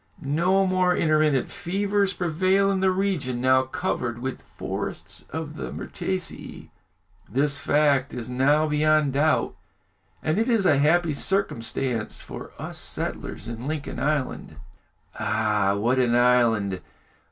No more intermittent fevers prevail in the regions now covered with forests of the myrtaceæ. This fact is now beyond doubt, and it is a happy circumstance for us settlers in Lincoln Island." "Ah! what an island!